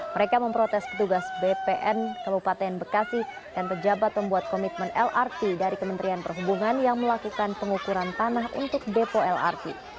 mereka memprotes petugas bpn kabupaten bekasi dan pejabat pembuat komitmen lrt dari kementerian perhubungan yang melakukan pengukuran tanah untuk depo lrt